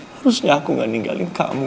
harusnya aku gak ninggalin kamu